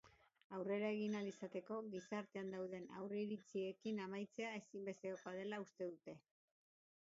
Aurrera egin ahal izateko, gizartean dauden aurreiritziekin amaitzea ezinbestekoa dela uste dute.